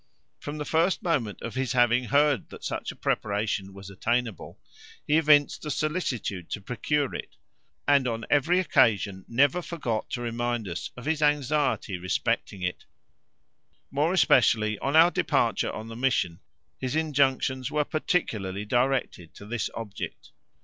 From the first moment of his having heard that such a preparation was attainable, he evinced a solicitude to procure it, and on every occasion never forgot to remind us of his anxiety respecting it; more especially on our departure on the mission his injunctions were particularly directed to this object.